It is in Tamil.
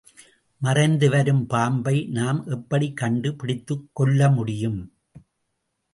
மறைந்து வரும் பாம்பை நாம் எப்படிக்கண்டு பிடித்துக் கொல்லமுடியும்?